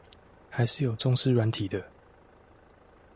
還是有重視軟體的